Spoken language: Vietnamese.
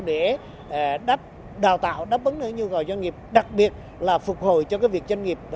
để đáp đào tạo đáp ứng những nhu cầu doanh nghiệp đặc biệt là phục hồi cho cái việc doanh nghiệp